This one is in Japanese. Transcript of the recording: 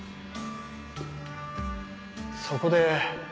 そこで。